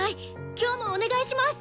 今日もお願いします！